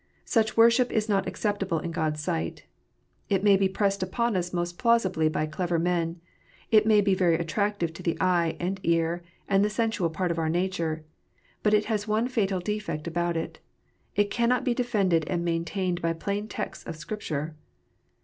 Such worship is not accept able in God s sight. It may be pressed upon us most plausibly by clever men. It may be very attractive to the eye, and ear, and the sensual part of our nature. But it has one fatal defect about it : it cannot be defended and maintained by plain texts of Scripture.